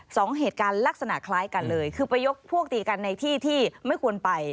สองเหตุการณ์ลักษณะคล้ายกันเลยคือไปยกพวกตีกันในที่ที่ไม่ควรไป